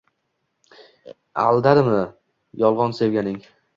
Aldadimi? Yulgon sevganing